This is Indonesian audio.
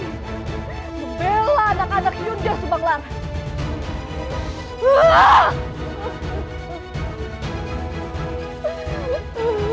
dinda membela anak anak yunda subanglaran